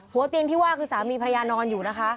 เตียงที่ว่าคือสามีภรรยานอนอยู่นะคะ